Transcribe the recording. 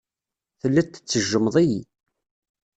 Telliḍ tettejjmeḍ-iyi.